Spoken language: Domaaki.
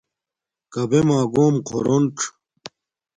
کبݺ مݳگݸم خݸرݸنڅ.